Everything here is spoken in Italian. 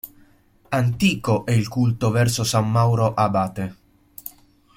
Antico è il culto verso san Mauro abate.